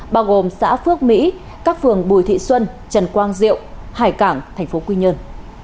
bao gồm xã phước mỹ các phường bùi thị xuân trần quang diệu hải cảng tp quy nhơn